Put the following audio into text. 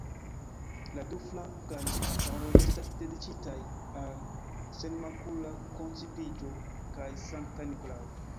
La du flankaj altaroj estas dediĉitaj al Senmakula Koncipiĝo kaj Sankta Nikolao.